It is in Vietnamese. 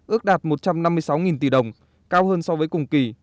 ước đạt một trăm năm mươi sáu tỷ đồng cao hơn so với cùng kỳ